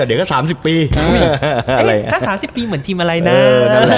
อายุแม่นเหมือนทีมอะไรน้า